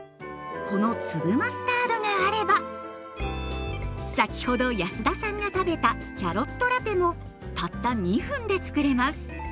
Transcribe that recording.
この粒マスタードがあれば先ほど安田さんが食べたキャロットラペもたった２分でつくれます。